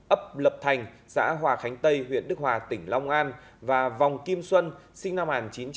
ấp lập thành xã hòa khánh tây huyện đức hòa tỉnh long an và vòng kim xuân sinh năm một nghìn chín trăm tám mươi